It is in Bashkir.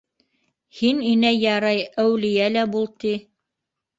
Һин, инәй, ярай, әүлиә лә бул ти.